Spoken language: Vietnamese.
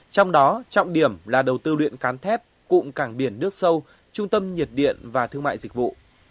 trong đó trọng điểm là đầu tư luyện cán thép cụm cảng biển nước sâu trung tâm nhiệt điện và thương mại dịch vụ